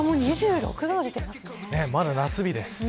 まだ夏日です。